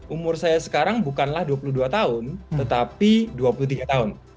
umur saya sekarang bukanlah dua puluh dua tahun tetapi dua puluh tiga tahun